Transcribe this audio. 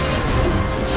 ayo kita berdua